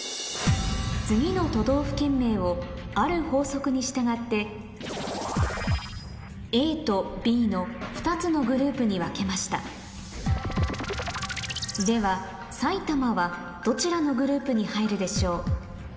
次の都道府県名をある法則に従ってＡとＢの２つのグループに分けましたでは「さいたま」はどちらのグループに入るでしょう？